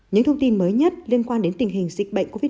những thông tin mới nhất liên quan đến tình hình dịch bệnh covid một mươi